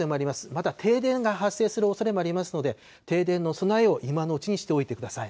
また停電が発生するおそれもありますので、停電の備えを今のうちにしておいてください。